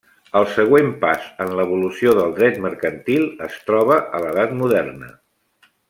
El següent pas en l'evolució del dret mercantil es troba a l'edat moderna.